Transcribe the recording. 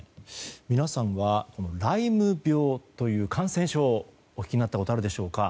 皆さんはライム病という感染症をお聞きになったことはあるでしょうか？